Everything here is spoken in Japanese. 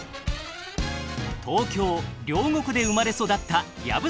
東京・両国で生まれ育った藪沢